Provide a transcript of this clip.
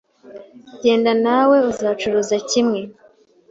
Genda nawe uzacuruza kimwe